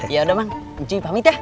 yaudah man cuy pamit ya